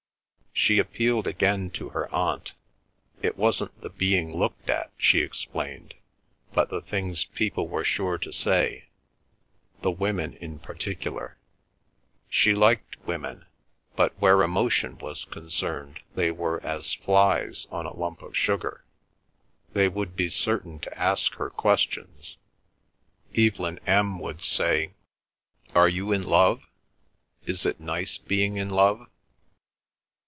She appealed again to her aunt. It wasn't the being looked at, she explained, but the things people were sure to say. The women in particular. She liked women, but where emotion was concerned they were as flies on a lump of sugar. They would be certain to ask her questions. Evelyn M. would say: "Are you in love? Is it nice being in love?"